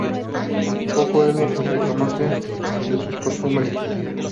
Poco es lo que se conoce de sus costumbres.